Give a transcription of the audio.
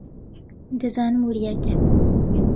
دەزانم وریایت.